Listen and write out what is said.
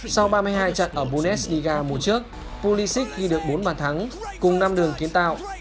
sau ba mươi hai trận ở bundesliga mùa trước pulisic ghi được bốn bàn thắng cùng năm đường kiến tạo